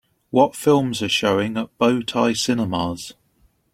what films are showing at Bow Tie Cinemas